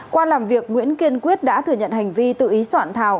qua làm việc nguyễn kiên quyết đã thừa nhận hành vi tự ý soạn thảo